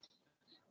pada sisi pandemi